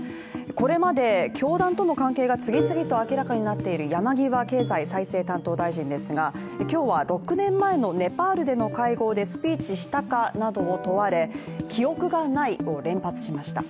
これまで教団との関係が次々と明らかになっている山際経済再生担当大臣ですが、今日は６年前のネパールでの会合でスピーチしたかなどを問われ記憶がないを連発しました。